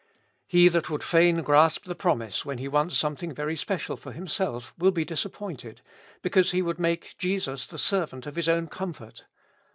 He that would fain grasp the promise when he wants something very special for himself, will be disappointed, because he would make Jesus the servant of his own comfort.